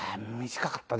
短かった？